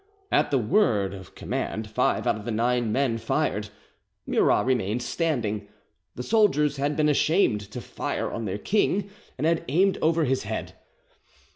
At the word of command five out of the nine men fired: Murat remained standing. The soldiers had been ashamed to fire on their king, and had aimed over his head.